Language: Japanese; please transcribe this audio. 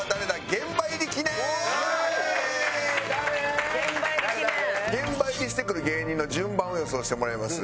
現場入りしてくる芸人の順番を予想してもらいます。